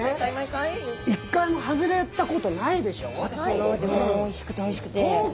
今までもおいしくておいしくて。